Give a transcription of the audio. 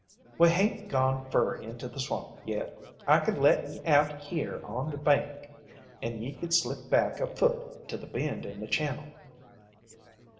"We hain't gone fur into the swamp yet. I could let ye out here on the bank and ye could slip back afoot to the bend in the channel."